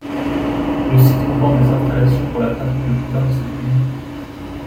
Le site comporte des installations pour la pratique de plusieurs disciplines.